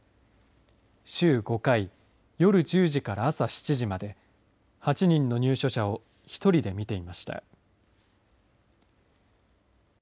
週５回、夜１０時から朝７時まで、８人の入所者を１人で見ていました。